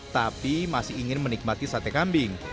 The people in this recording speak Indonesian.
tapi masih ingin menikmati sate kambing